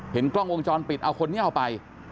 กล้องวงจรปิดเอาคนนี้เอาไป